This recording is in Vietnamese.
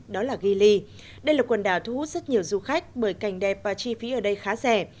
đây là quần đảo thu hút rất nhiều du khách bởi cảnh đẹp và chi phí ở đây khá rẻ